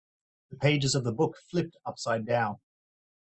The pages of the book flipped upside down.